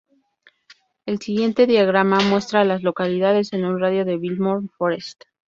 El siguiente diagrama muestra a las localidades en un radio de de Biltmore Forest.